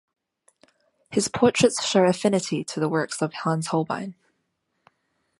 His portraits show affinity to the works of Hans Holbein.